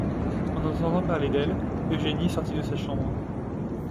En entendant parler d’elle, Eugénie sortit de sa chambre.